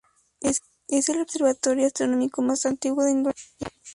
Es el observatorio astronómico más antiguo de Indonesia.